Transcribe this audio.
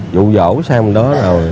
dụ dỗ xem đó